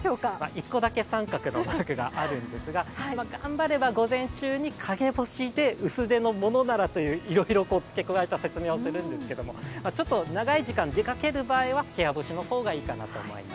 １個だけ△のマークがあるんですが頑張れば午前中に陰干しで薄手のものならといういろいろ付け加えた説明をするんですけれども、ちょっと長い時間出かける場合は部屋干しの方がいいかなと思います。